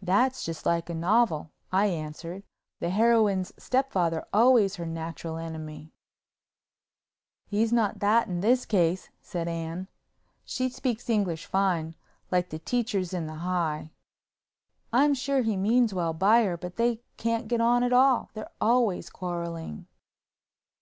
"That's just like a novel," I answered, "the heroine's stepfather's always her natural enemy." "He's not that in this case," said Anne—she speaks English fine, like the teachers in the High—"I'm sure he means well by her, but they can't get on at all, they're always quarreling."